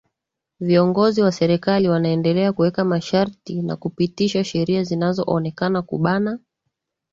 Viongozi wa serikali wanaendelea kuweka masharti na kupitisha sheria zinazo onekana kubana